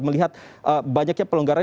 melihat banyaknya pelonggaran